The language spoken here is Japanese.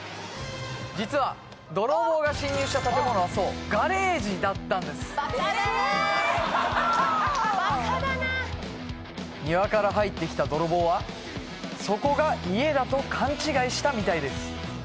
実は泥棒が侵入した建物はそうガレージだったんです・バカだなそういうこと・バカだな庭から入ってきた泥棒はそこが家だと勘違いしたみたいです